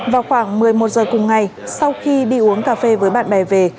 vào khoảng một mươi một giờ cùng ngày sau khi đi uống cà phê với bạn bè về